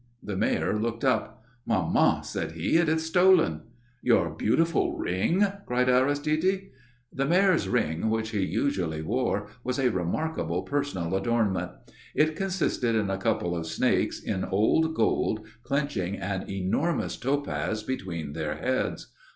The Mayor looked up. "Maman," said he, "it is stolen." "Your beautiful ring?" cried Aristide. The Mayor's ring, which he usually wore, was a remarkable personal adornment. It consisted in a couple of snakes in old gold clenching an enormous topaz between their heads.